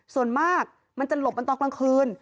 ส่วนมากมันจะหลบมันตอนกลางคืน